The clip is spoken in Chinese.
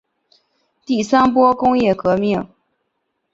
第三波工业革命